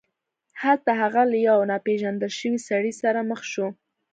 هلته هغه له یو ناپيژندل شوي سړي سره مخ شو.